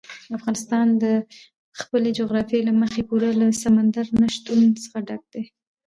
افغانستان د خپلې جغرافیې له مخې پوره له سمندر نه شتون څخه ډک دی.